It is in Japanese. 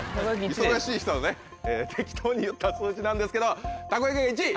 忙しい人のね適当に言った数字なんですけどたこ焼きが１位。